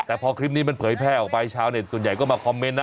แต่พอคลิปนี้มันเผยแพร่ออกไปชาวเน็ตส่วนใหญ่ก็มาคอมเมนต์นะ